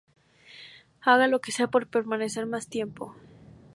Haga lo que sea por permanecer más tiempo.